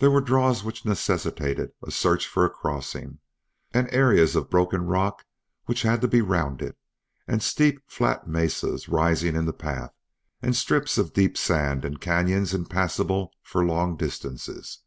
There were draws which necessitated a search for a crossing, and areas of broken rock which had to be rounded, and steep flat mesas rising in the path, and strips of deep sand and canyons impassable for long distances.